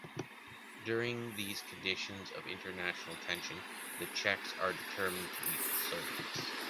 During these conditions of international tension, the Czechs are determined to beat the Soviets.